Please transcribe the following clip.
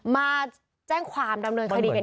มาแจ้งความดำเนินคดีกัน